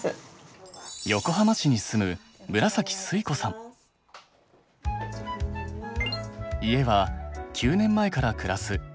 横浜市に住む家は９年前から暮らす４ＬＤＫ。